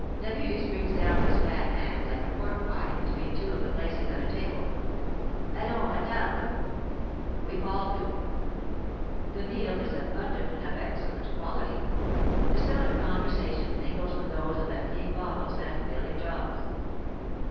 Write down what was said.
Lamuse brings down his fat hand, like a pork pie, between two of the places at table. "Allons, a table!" We fall to. The meal is abundant and of excellent quality. The sound of conversation mingles with those of emptying bottles and filling jaws.